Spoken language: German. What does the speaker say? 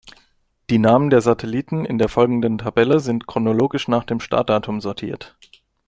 Die Namen der Satelliten in der folgenden Tabelle sind chronologisch nach dem Startdatum sortiert.